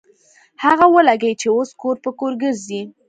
هغه والګي چې اوس کور پر کور ګرځي.